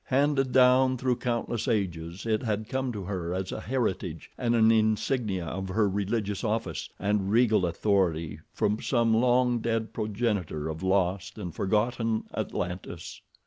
Handed down through countless ages it had come to her as a heritage and an insignia of her religious office and regal authority from some long dead progenitor of lost and forgotten Atlantis.